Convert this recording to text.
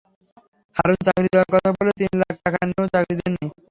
হারুন চাকরি দেওয়ার কথা বলে তিন লাখ টাকা নিয়েও চাকরি দেননি।